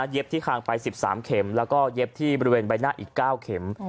ที่คางไป๑๓เข็มแล้วก็เย็บที่บริเวณใบหน้าอีก๙เข็ม